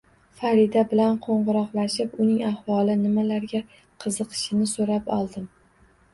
Farida bilan qo`ng`iroqlashib, uning ahvoli, nimalarga qiziqishini so`rab oldim